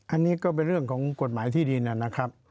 อันนี้ก็เป็นเรื่องของกฎหมายที่ดินนะครับ